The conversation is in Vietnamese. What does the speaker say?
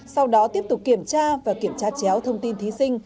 sau đó tiếp tục kiểm tra và kiểm tra chéo thông tin thí sinh